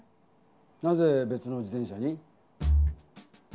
なぜべつの自転車に？